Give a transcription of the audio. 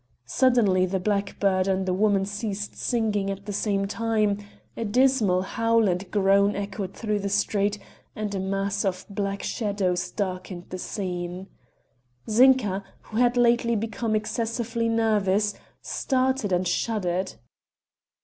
Suddenly the blackbird and the woman ceased singing at the same time; a dismal howl and groan echoed through the street, and a mass of black shadows darkened the scene. Zinka, who had lately become excessively nervous, started and shuddered.